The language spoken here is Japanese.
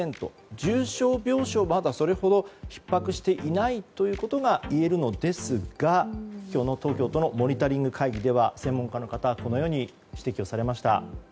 重症病床は、まだそれほどひっ迫していないことがいえるのですが、今日の東京都のモニタリング会議では専門家の方このように指摘されました。